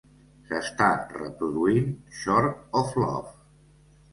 S'està reproduint Short of Love